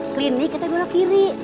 klinik kita belok kiri